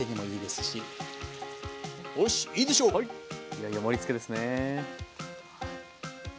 いよいよ盛りつけですね。